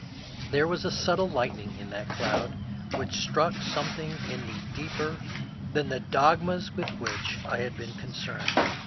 There was a subtle lightning in that cloud which struck some thing in me deeper than the dogmas with which I had been concerned.